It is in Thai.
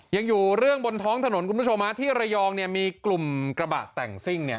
ยังอยู่เรื่องบนท้องถนนคุณผู้ชมที่ระยองมีกลุ่มกระบะแต่งซิ่ง